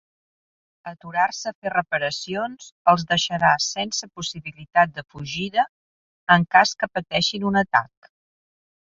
Aturar-se a fer reparacions, els deixarà sense possibilitat de fugida en cas que pateixin un atac.